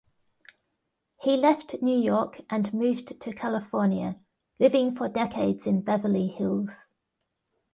He left New York and moved to California, living for decades in Beverly Hills.